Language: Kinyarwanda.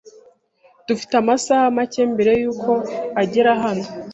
Dufite amasaha make mbere yuko agera hano.